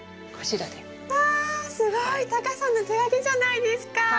こちらで。わすごい！タカさんの手書きじゃないですか！